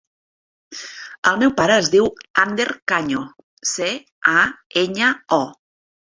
El meu pare es diu Ander Caño: ce, a, enya, o.